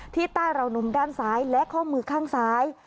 ที่ด้านเรานมด้านซ้ายและข้อมือข้างซ้าย